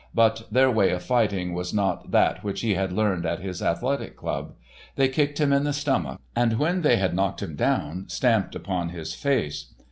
But their way of fighting was not that which he had learned at his athletic club. They kicked him in the stomach, and, when they had knocked him down, stamped upon his face.